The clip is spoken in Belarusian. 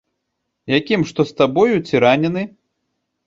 Якім, што з табою, ці ранены?